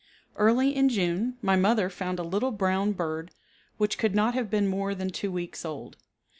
Early in June my mother found a little brown bird which could not have been more than two weeks old.